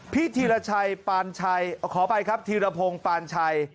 ธีรชัยปานชัยขออภัยครับธีรพงศ์ปานชัย